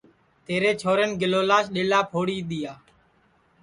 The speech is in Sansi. تیرے چھورین گیلولاس ڈؔیلا پھوڑی دؔیا